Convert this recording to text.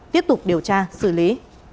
tiếp tục điều tra xử lý